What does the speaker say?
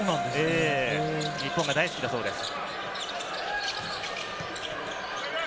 日本が大好きだそうです。